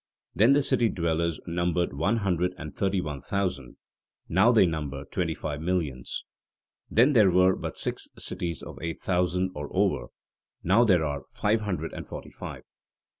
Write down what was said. Then the city dwellers numbered one hundred and thirty one thousand; now they number twenty five millions. Then there were but six cities of eight thousand or over; now there are five hundred and forty five.